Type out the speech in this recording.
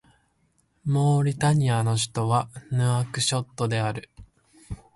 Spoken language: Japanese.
モーリタニアの首都はヌアクショットである